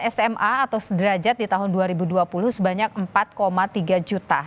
sma atau sederajat di tahun dua ribu dua puluh sebanyak empat tiga juta